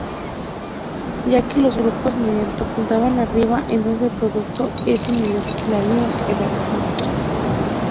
Ya que los dos grupos metilo apuntan "arriba", entonces el producto es cis-dimetilciclohexadieno.